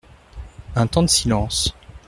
Un temps de silence.